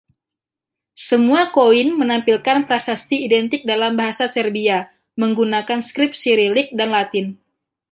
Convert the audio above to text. Semua koin menampilkan prasasti identik dalam bahasa Serbia, menggunakan skrip Cyrillic dan Latin.